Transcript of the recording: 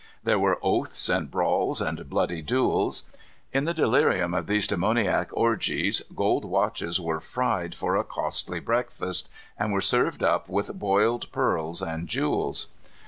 There were oaths and brawls and bloody duels. In the delirium of these demoniac orgies gold watches were fried for a costly breakfast, and were served up with boiled pearls and jewels.